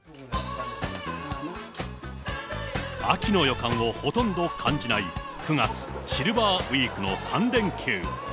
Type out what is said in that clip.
秋の予感をほとんど感じない９月、シルバーウイークの３連休。